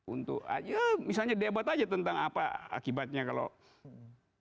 untuk aja misalnya debat aja tentang apa akibatnya kalau